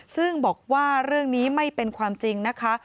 ซึ่งบอกว่าเรื่องนี้ไม่เป็นความจริงนะคะ